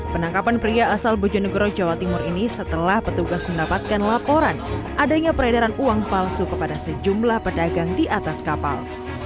penangkapan pria asal bojonegoro jawa timur ini setelah petugas mendapatkan laporan adanya peredaran uang palsu kepada sejumlah pedagang di atas kapal